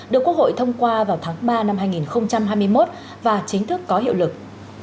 được quốc hội thông qua vào tháng ba năm hai nghìn hai mươi một và chính thức có hiệu lực